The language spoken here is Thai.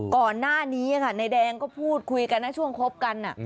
ก่อนหน้านี้ในแดงก็พูดคุยกันช่วงครบกัน